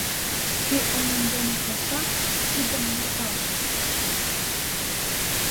Кӧ оем дене келша, кидым нӧлталже!